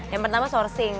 yang pertama sourcing